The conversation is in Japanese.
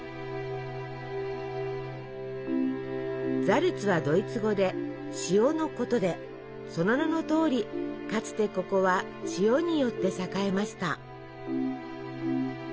ザルツはドイツ語で「塩」のことでその名のとおりかつてここは塩によって栄えました。